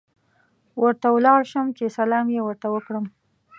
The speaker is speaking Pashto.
ورته ولاړ شوم چې سلام یې ورته وکړم.